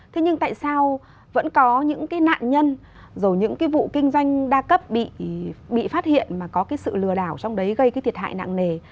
thế nhưng tại sao vẫn có những cái nạn nhân rồi những cái vụ kinh doanh đa cấp bị phát hiện mà có cái sự lừa đảo trong đấy gây cái thiệt hại nặng nề